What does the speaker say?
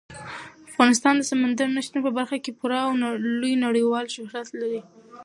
افغانستان د سمندر نه شتون په برخه کې پوره او لوی نړیوال شهرت لري.